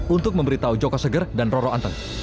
untuk memberitahu joko seger dan roro anteng